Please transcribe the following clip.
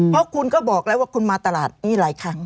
เพราะคุณก็บอกแล้วว่าคุณมาตลาดนี้หลายครั้ง